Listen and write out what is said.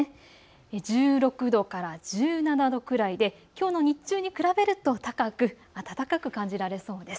１６度から１７度くらいできょうの日中に比べると高く、暖かく感じられそうです。